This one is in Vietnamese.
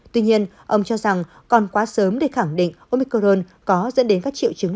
tuy nhiên ông cho rằng còn quá sớm để khẳng định omicron có dẫn đến các triệu chứng